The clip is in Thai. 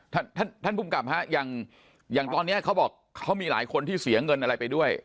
ท่านท่านภูมิกับฮะอย่างตอนนี้เขาบอกเขามีหลายคนที่เสียเงินอะไรไปด้วย